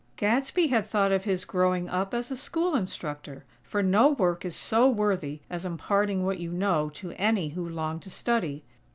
Gadsby had thought of his growing up as a school instructor, for no work is so worthy as imparting what you know to any who long to study.